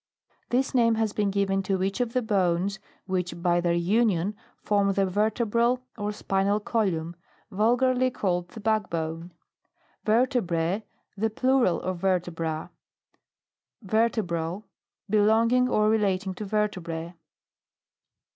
This name has been given to each of the bones, which, by their union, form the vertebral or spinal column, vulgarly called the back bone. VERTEBRAE. The plural of vertebra. VERTEBRAL. Belonging or relating to vertebrae.